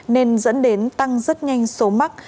nên dẫn đến tăng rất nhanh số mắc